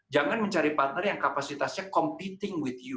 jangan mencari partner yang kapasitasnya bergabung dengan anda